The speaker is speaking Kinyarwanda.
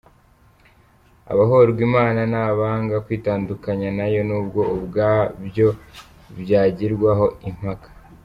Abahorwa Imana ni abanga kwitandukanya nayo n’ubwo ubwabyo byagirwaho impaka.